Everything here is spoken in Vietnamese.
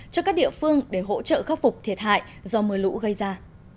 cho các địa phương để hỗ trợ khắc phục thiệt hại do mưa lũ gây ra